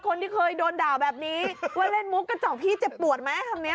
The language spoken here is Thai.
คนที่เคยโดนด่าแบบนี้ว่าเล่นมุกกระจอกพี่เจ็บปวดไหมคำนี้